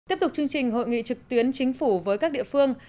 tiếp tục chương trình hội nghị trực tuyến chính phủ với các địa phương